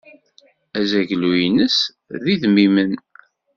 Azaglu-ines d idmimen.